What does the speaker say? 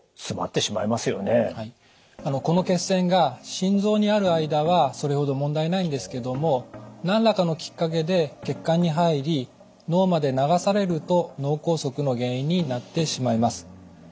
この血栓が心臓にある間はそれほど問題ないんですけども何らかのきっかけで血管に入り脳まで流されると脳梗塞の原因になってしまいます。